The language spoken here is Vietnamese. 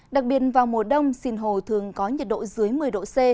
đặc biệt vào mùa đông sinh hồ thường có nhiệt độ dưới một mươi độ c